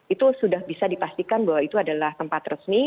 itu sudah bisa dipastikan bahwa itu adalah tempat resmi